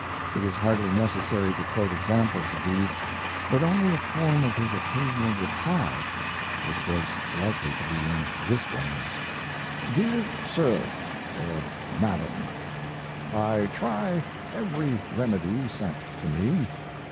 It is hardly necessary to quote examples of these, but only a form of his occasional reply, which was likely to be in this wise: DEAR SIR [or MADAM], I try every remedy sent to me.